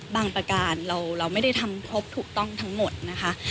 ประการเราไม่ได้ทำครบถูกต้องทั้งหมดนะคะ